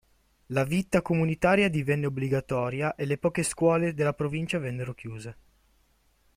La vita comunitaria divenne obbligatoria e le poche scuole della provincia vennero chiuse.